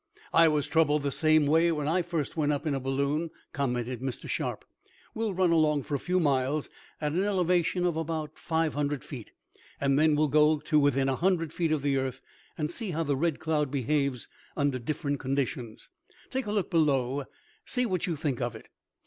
"I was troubled the same way when I first went up in a balloon," commented Mr. Sharp. "We'll run along for a few miles, at an elevation of about five hundred feet, and then we'll go to within a hundred feet of the earth, and see how the Red Cloud behaves under different conditions. Take a look below and see what you think of it."